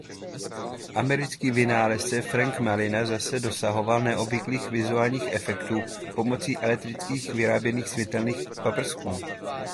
Americký vynálezce Frank Malina zase dosahoval neobvyklých vizuálních efektů pomocí elektricky vyráběných světelných paprsků.